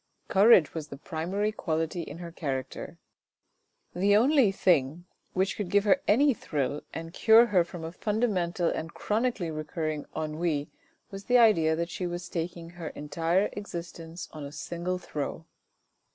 Courage was the primary quality in her character. The only thing which could give her any thrill and cure her from a fundamental and chronically recurring ennui was the idea that she was staking her entire existence on a single throw.